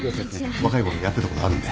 若い頃やってたことあるんで。